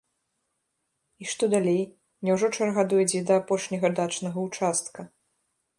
А што далей, няўжо чарга дойдзе і да апошняга дачнага ўчастка?